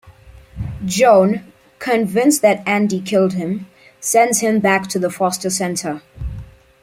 Joanne, convinced that Andy killed him, sends him back to the foster center.